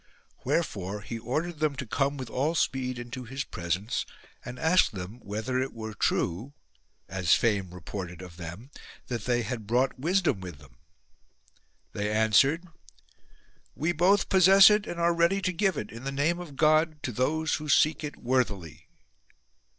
Wherefore he ordered them to come with all speed into his presence and asked them whether it were true, as fame reported of them, that they had brought wisdom with them. They answered, " We both possess it and are ready to give it, in the name of God, to those who seek it worthily."